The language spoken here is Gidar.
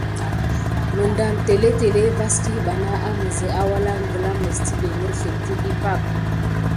Məɗam télétélé vaskiɓana aməzə awalaŋ gla mes tivét mərslét təkəhi pak.